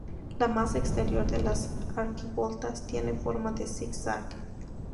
La más exterior de las arquivoltas tiene forma de zig-zag.